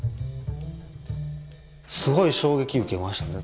すごい衝撃受けましたね。